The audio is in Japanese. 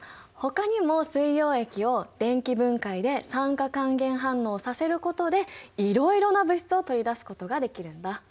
ほかにも水溶液を電気分解で酸化還元反応させることでいろいろな物質を取り出すことができるんだ。